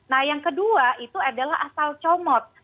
nah yang kedua itu adalah asal comot